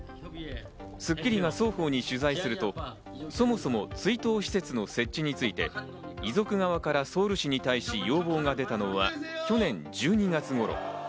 『スッキリ』が双方に取材すると、そもそも追悼施設の設置について遺族側からソウル市に対し要望が出たのは、去年１２月頃。